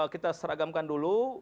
kita seragamkan dulu